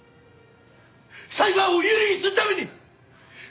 裁判を有利にするために違うか！？